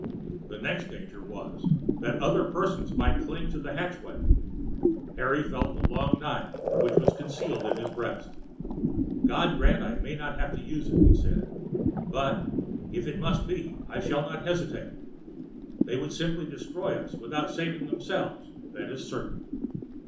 The next danger was, that other persons might cling to the hatchway. Harry felt the long knife which was concealed in his breast. "God grant I may not have to use it!" he said; "but, if it must be, I shall not hesitate. They would simply destroy us without saving themselves, that is certain.